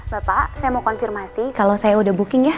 bapak saya mau konfirmasi kalau saya udah booking ya